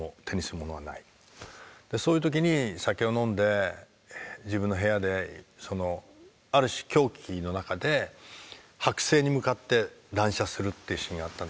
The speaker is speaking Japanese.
そういう時に酒を飲んで自分の部屋である種狂気の中で剥製に向かって乱射するっていうシーンがあったんですけど。